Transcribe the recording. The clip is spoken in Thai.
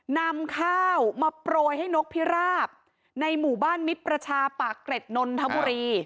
นำข้าวมาโปรยให้นกพิราบในหมู่บ้านมิตรประชาปากเกร็ดนนทบุรี